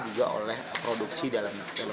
juga oleh produksi dalam